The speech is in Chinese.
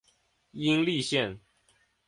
殷栗线